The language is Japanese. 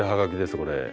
これ。